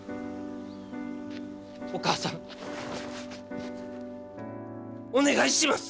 お母さんお願いします！